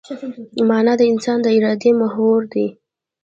مانا د انسان د ارادې محور دی.